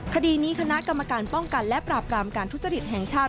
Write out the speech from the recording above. คดีนี้คณะกรรมการป้องกันและปราบรามการทุจริตแห่งชาติ